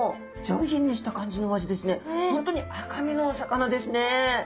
本当に赤身のお魚ですね。